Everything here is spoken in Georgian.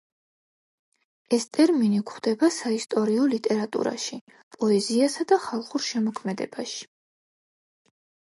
ეს ტერმინი გვხვდება საისტორიო ლიტერატურაში, პოეზიასა და ხალხურ შემოქმედებაში.